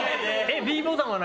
Ｂボタンは何？